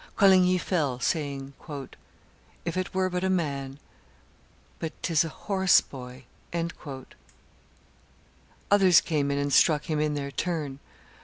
Coligny fell, saying, "If it were but a man! But 'tis a horse boy." Others came in and struck him in their turn.